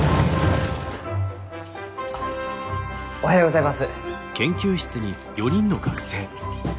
おはようございます。